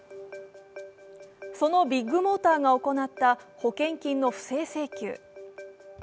そのビッグモーターが行った保険金の不正請求。